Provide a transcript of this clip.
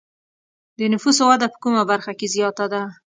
د نفوسو وده په کومه برخه کې زیاته ده؟